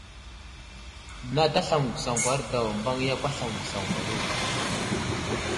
Nat aslam məgwəsaŋkwaro daw, mbaŋ yakw aslam məgwəsaŋkwaro.